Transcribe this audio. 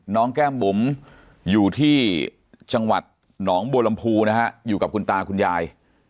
น้องแก้มบุ๋มอยู่ที่จังหวัดหนองโบรมภูอยู่กับคุณตาคุณยาย